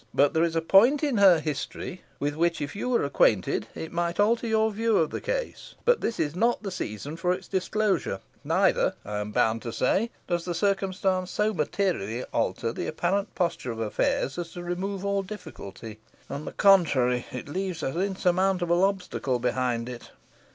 But there is a point in her history, with which if you were acquainted, it might alter your view of the case; but this is not the season for its disclosure, neither, I am bound to say, does the circumstance so materially alter the apparent posture of affairs as to remove all difficulty. On the contrary, it leaves an insurmountable obstacle behind it."